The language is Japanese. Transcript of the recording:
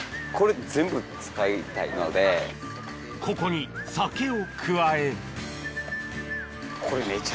ここに酒を加えこれ。